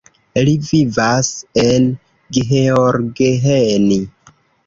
Li vivas en Gheorgheni.